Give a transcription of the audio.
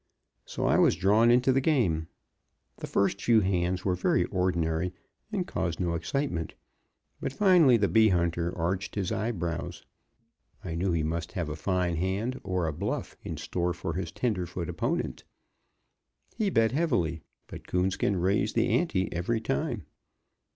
So I was drawn into the game. The first few hands were very ordinary, and caused no excitement. But finally the bee hunter, arched his eyebrows; I knew he must have a fine hand or a bluff, in store for his tenderfoot opponent. He bet heavily, but Coonskin raised the ante every time.